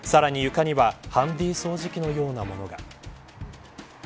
床にはハンディ掃除機のようなものが。